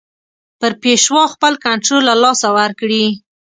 پر پېشوا خپل کنټرول له لاسه ورکړي.